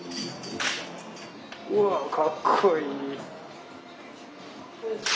うわぁかっこいい。